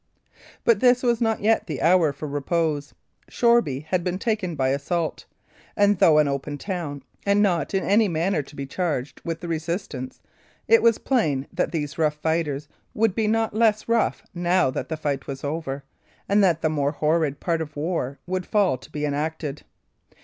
But this was not yet the hour for repose. Shoreby had been taken by assault; and though an open town, and not in any manner to be charged with the resistance, it was plain that these rough fighters would be not less rough now that the fight was over, and that the more horrid part of war would fall to be enacted.